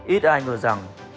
ít ai ngờ rằng